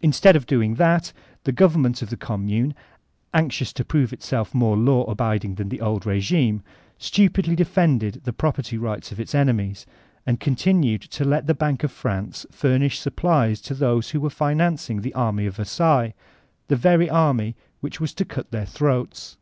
Instead of dcnng that, the government of the Conunune, anxious to prove itself more law abiding than the old rq^ime, stupidly defended the property right of its enemies, and continued to let the Bank of France furnish supplies to those who were financing the army of Versailles, the veiy army which was to cut their throats.